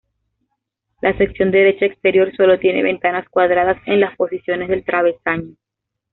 La sección derecha exterior solo tiene ventanas cuadradas en las posiciones del travesaño.